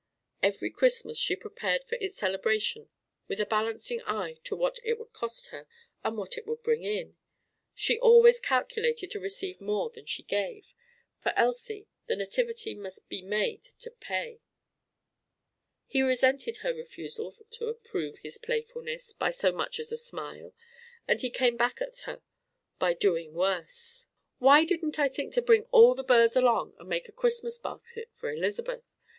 Every Christmas she prepared for its celebration with a balancing eye to what it would cost her and what it would bring in: she always calculated to receive more than she gave: for Elsie, the Nativity must be made to pay! He resented her refusal to approve his playfulness by so much as a smile, and he came back at her by doing worse: "Why didn't I think to bring all the burrs along and make a Christmas basket for Elizabeth?